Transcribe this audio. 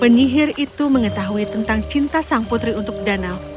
penyihir itu mengetahui tentang cinta sang putri untuk danau